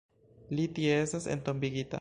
Li tie estas entombigita.